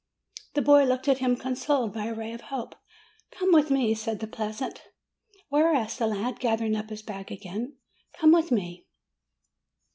The boy looked at him consoled by a ray of hope. "Come with me," said the peasant. "Where?" asked the lad, gathering up his bag again. "Come with me."